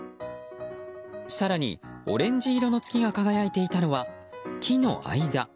更に、オレンジ色の月が輝いていたのは木の間。